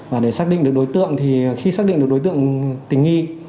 và để xác định được đối tượng thì khi xác định được đối tượng tình nghi